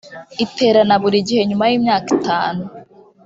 iterana buri gihe nyuma y imyaka itanu